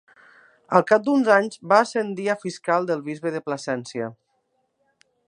Al cap d'uns anys va ascendir a fiscal del bisbe de Plasència.